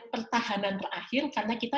pertahanan terakhir karena kita